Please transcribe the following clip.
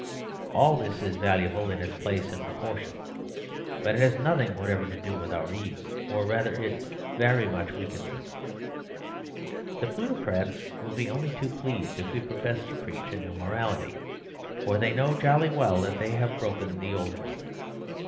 All this is valuable in its place and proportion. But it has nothing whatever to do with our ease; or rather it very much weakens it. The plutocrats will be only too pleased if we profess to preach a new morality; for they know jolly well that they have broken the old one.